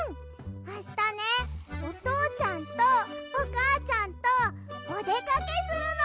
あしたねおとうちゃんとおかあちゃんとおでかけするの！